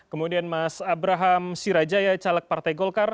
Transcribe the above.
kemudian mas abraham sirajaya caleg partai golkar